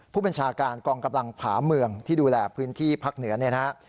ผู้บัญชาการกองกำลังผาเมืองที่ดูแลพื้นที่ภาคเหนือเนี่ยนะฮะ